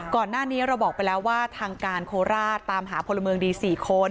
ก่อนหน้านี้เราบอกไปแล้วว่าทางการโคราชตามหาพลเมืองดี๔คน